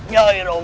ya iroh pang